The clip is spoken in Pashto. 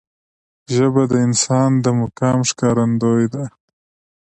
ژبه د انسان د مقام ښکارندوی ده